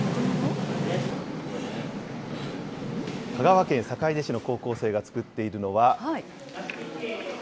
香川県坂出市の高校生が作っているのは。